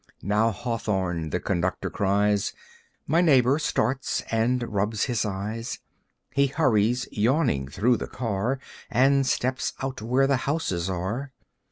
Now "Hawthorne!" the conductor cries. My neighbor starts and rubs his eyes. He hurries yawning through the car And steps out where the houses are.